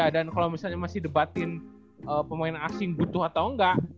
dan kalau misalnya masih debatin pemain asing butuh atau enggak